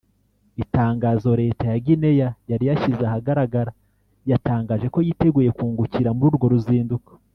Itangazo Leta ya Guinea yari yashyize ahagaragara yatangaje ko yiteguye kungukira kuri urwo ruzinduko